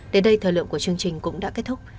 đến đây thời lượng của chương trình cũng đã kết thúc